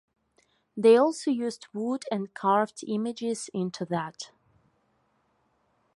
They also used wood and carved images into that.